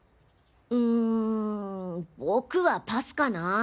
うん僕はパスかなぁ。